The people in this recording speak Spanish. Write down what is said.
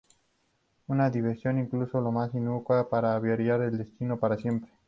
Una decisión, incluso la más inocua, hará virar el destino para siempre.